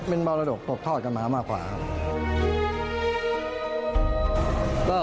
เป็นมรดกตกทอดกันมามากกว่าครับ